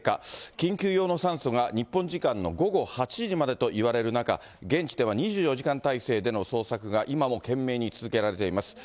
緊急用の酸素が日本時間の午後８時までと言われる中、現地では２４時間態勢での捜索が今も懸命に続けられています。